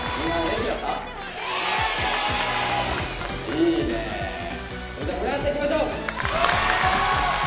いいねそれじゃ盛り上がっていきましょう！